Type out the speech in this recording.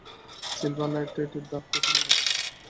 Silver নাইটেটের দাগ কঠিন দাগ।